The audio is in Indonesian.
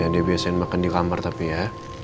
dia biasain makan di kamar tapi ya